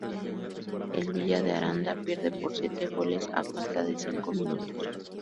El Villa de Aranda pierde por siete goles a falta de cinco minutos.